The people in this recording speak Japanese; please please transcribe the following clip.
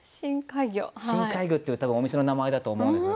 「深海魚」っていう多分お店の名前だと思うんだけど。